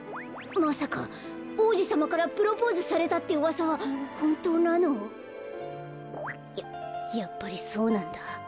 まさかおうじさまからプロポーズされたってうわさはほんとうなの？ややっぱりそうなんだ。